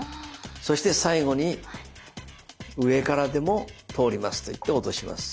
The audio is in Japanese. そして最後に「上からでも通ります」と言って落とします。